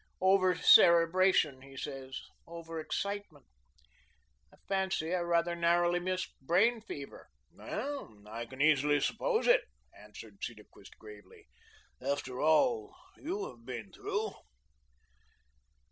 'Over cerebration,' he says; 'over excitement.' I fancy I rather narrowly missed brain fever." "Well, I can easily suppose it," answered Cedarquist gravely, "after all you have been through."